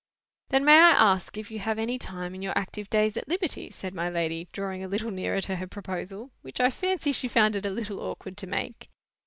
"Then may I ask if you have any time in your active days at liberty?" said my lady, drawing a little nearer to her proposal, which I fancy she found it a little awkward to make.